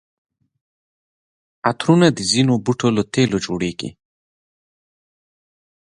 عطرونه د ځینو بوټو له تېلو جوړیږي.